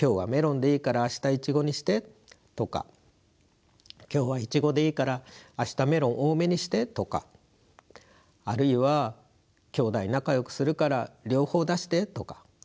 今日はメロンでいいから明日イチゴにしてとか今日はイチゴでいいから明日メロン多めにしてとかあるいは兄弟仲よくするから両方出してとか。